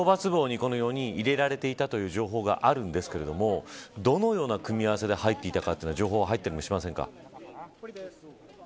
この４人入れられていたという情報があるんですけれどもどのような組み合わせで入っていたか情報は入っていたりしませんか。